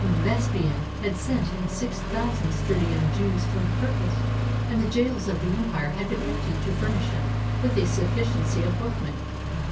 Vespasian had sent him six thousand sturdy young Jews for the purpose; and the jails of the empire had been emptied to furnish him with a sufl&ciency of workmen.